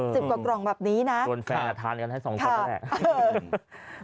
สิบกว่ากล่องแบบนี้นะครับโดนแฟนอาทารกันให้สองคนแหละ